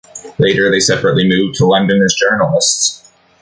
Later they separately moved to London as journalists.